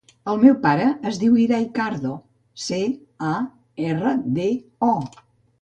El meu pare es diu Irai Cardo: ce, a, erra, de, o.